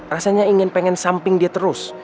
rasanya ingin pengen samping dia terus